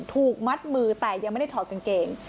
ถูกมัดมือแต่ยังไม่ได้ถอดกางเกง